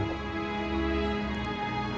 apakah kamu bisa mencintai aku